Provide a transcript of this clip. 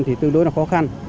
thì tương đối là khó khăn